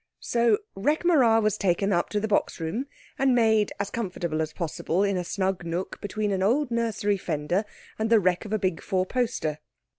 So Rekh marā was taken up to the box room and made as comfortable as possible in a snug nook between an old nursery fender and the wreck of a big four poster.